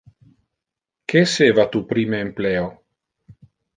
Que esseva tu prime empleo?